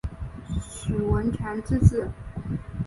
徐文铨之子。